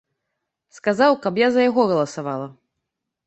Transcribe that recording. Сказаў, каб я за яго галасавала.